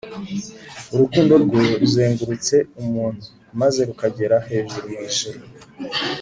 . Urukundo rwe ruzengurutse umuntu, maze rukagera hejuru mw’ijuru.